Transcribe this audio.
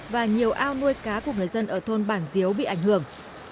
và nhiều ao nuôi cá của người dân ở thôn bản diếu bị ảnh hưởng